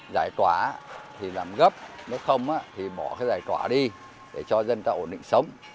giải tỏa thì làm gấp nếu không thì bỏ cái giải tỏa đi để cho dân ta ổn định sống